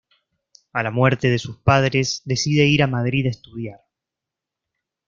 A la muerte de sus padres decide ir a Madrid a estudiar.